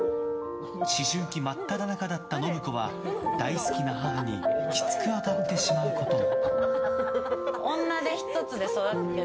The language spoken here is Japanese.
思春期真っただ中だった信子は大好きな母にきつく当たってしまうことも。